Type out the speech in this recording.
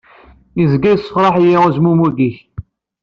Izga yessefreḥ-iyi uzmumeg-ik.